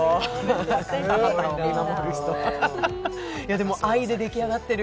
でも愛で出来上がってる